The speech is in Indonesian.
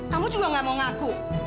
kamu juga gak mau ngaku